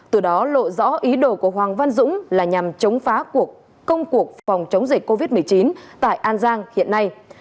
từ đó lộ rõ ý đồ của hoàng văn dũng là nhằm chống phá của công cuộc phòng chống dịch covid một mươi chín tại an giang hiện nay